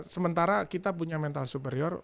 sementara kita punya mental superior